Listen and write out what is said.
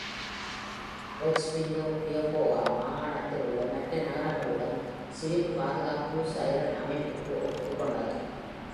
ப்ரெக்ஸ்வில்லே குயஹோகா மாகாணத்தில் உள்ள மற்ற நகரங்களுடன் சிவில் பாதுகாப்பு சைரன் அமைப்பிற்கு ஒப்புக்கொண்டது.